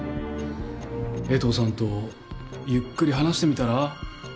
江藤さんとゆっくり話してみたら？